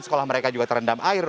sekolah mereka juga terendam air